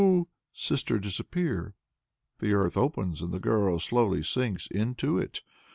Sister, disappear!" The earth opens, and the girl slowly sinks into it.